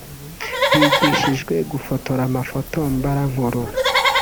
bigishijwe gufotora amafoto mbarankuru